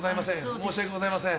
申し訳ございません。